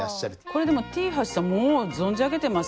これでもＴ橋さんもう存じ上げてますよ。